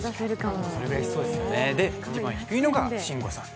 で一番低いのが慎吾さん。